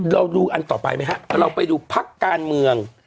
เราดูอันต่อไปไหมครับเราไปดูพักการเมือง